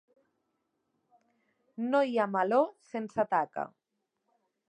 No hi ha meló sense taca.